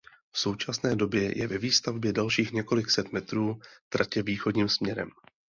V současné době je ve výstavbě dalších několik set metrů tratě východním směrem.